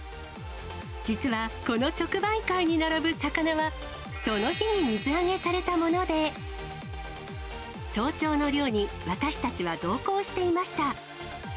実は、この直売会に並ぶ魚は、その日に水揚げされたもので、早朝の漁に私たちは同行していました。